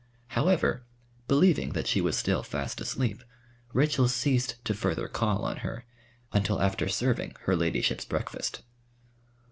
However, believing that she was still fast asleep, Rachel ceased to further call on her until after serving her ladyship's breakfast.